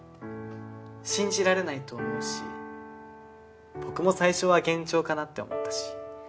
信じられないと思うし僕も最初は幻聴かなって思ったし。